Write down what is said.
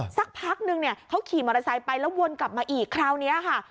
สักพักนึงเนี่ยเขาขี่มอเตอร์ไซค์ไปแล้ววนกลับมาอีกคราวนี้ค่ะ